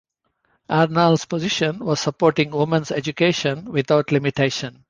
Arenal's position was supporting women's education without limitation.